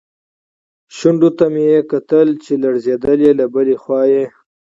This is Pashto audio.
شونډو ته مې یې کتل چې لړزېدلې، له بلې خوا یې.